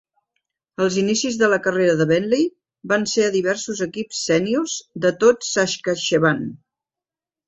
Els inicis de la carrera de Bentley van ser a diversos equips sèniors de tot Saskatchewan.